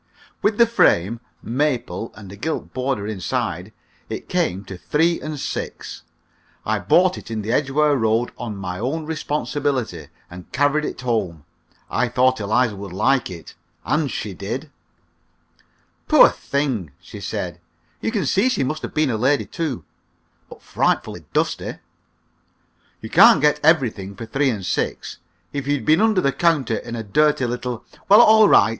With the frame (maple, and a gilt border inside) it came to three and six. I bought it in the Edgware Road on my own responsibility, and carried it home. I thought Eliza would like it, and she did. "Poor thing!" she said. "You can see she must have been a lady, too. But frightfully dusty!" "You can't get everything for three and six. If you'd been under the counter in a dirty little " "Well, all right!